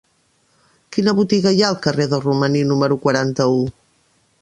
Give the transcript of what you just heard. Quina botiga hi ha al carrer de Romaní número quaranta-u?